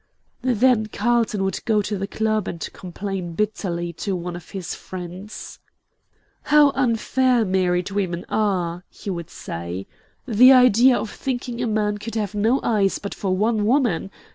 Then Carlton would go to the club and complain bitterly to one of his friends. "How unfair married women are!" he would say. "The idea of thinking a man could have no eyes but for one woman!